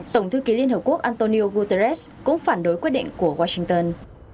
tổng thư ký liên hợp quốc antonio guterres cũng phản đối quyết định của washington